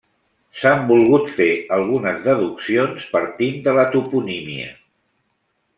S'han volgut fer algunes deduccions partint de la toponímia.